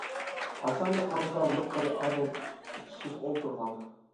قاچانلا قارىسا لىققىدە ئادەم ئىچىشىپ ئولتۇرغان.